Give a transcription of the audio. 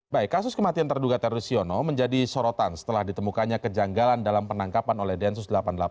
baik kasus kematian terduga teroris siono menjadi sorotan setelah ditemukannya kejanggalan dalam penangkapan oleh densus delapan puluh delapan